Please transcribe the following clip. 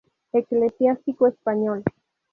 Eclesiástico español.